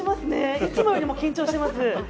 いつもよりも緊張しています。